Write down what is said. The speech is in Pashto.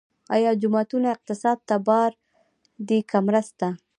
آیا جوماتونه اقتصاد ته بار دي که مرسته؟